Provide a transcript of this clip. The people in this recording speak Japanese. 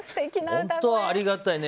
本当にありがたいね。